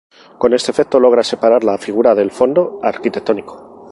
Con este efecto logra separar la figura del fondo arquitectónico.